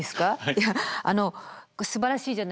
いやあのこれすばらしいじゃないですか。